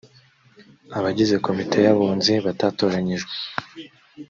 abagize komite y abunzi batatoranyijwe